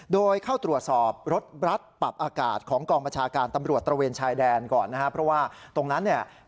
โดยเข้าตรวจสอบรถบัตรปรับอากาศของกองบัญชาการตำรวจตระเวนชายแดนก่อนนะครับเพราะว่าตรงนั้นเนี่ย